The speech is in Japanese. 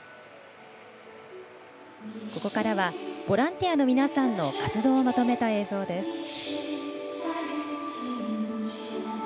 ここからはボランティアの皆さんの活動をまとめた映像です。